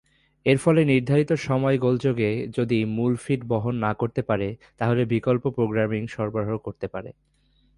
এর ফলে নির্ধারিত সময়-গোলযোগে যদি মূল ফিড বহন না করতে পারে তাহলে বিকল্প প্রোগ্রামিং সরবরাহ করতে পারে।